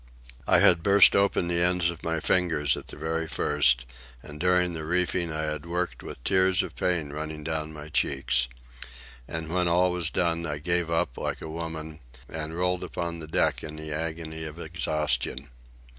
I had burst open the ends of my fingers at the very first, and during the reefing I had worked with tears of pain running down my cheeks. And when all was done, I gave up like a woman and rolled upon the deck in the agony of exhaustion.